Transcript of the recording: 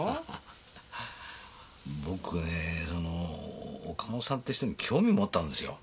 僕ねぇその岡本さんって人に興味持ったんですよ。